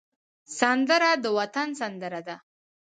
سندره د وطن سندره ده